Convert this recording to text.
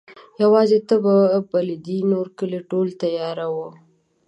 یواځي ته به بلېدې نورکلی ټول تیاره وو